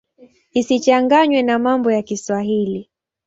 Isichanganywe na mambo ya Kiswahili.